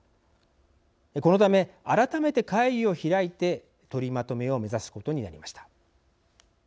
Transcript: このため改めて会議を開いて取りまとめを目指すことになりました。